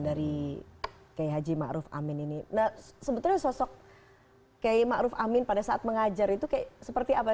dari kehaji ma'ruf amin ini sebetulnya sosok keima ruf amin pada saat mengajar itu kayak seperti apa